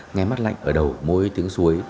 nghe mắt lạnh ở đầu môi tiếng suối